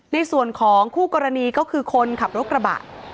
ในส่วนของคู่กรณีก็คือคนขับรถกระบะ